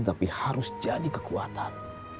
tapi harus jadi kekuatan